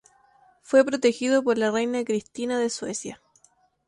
Fue protegido por la reina Cristina de Suecia.